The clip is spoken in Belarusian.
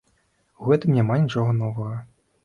У гэтым няма нічога новага.